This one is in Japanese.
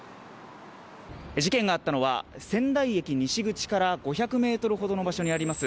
事件があったのは仙台駅西口から５００ｍほどの場所にあります